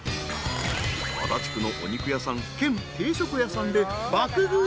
［足立区のお肉屋さん兼定食屋さんで爆食い］